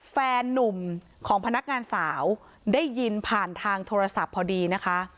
แฟนนุ่มของพนักงานสาวได้ยินผ่านทางโทรศัพท์พอดีนะคะ